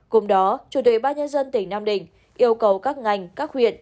cùng đó chủ tịch ban nhân dân tỉnh nam định yêu cầu các ngành các huyện